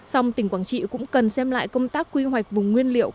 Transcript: song tỉnh quảng trị cũng cần xem lại công tác quy hoạch vùng nguyên liệu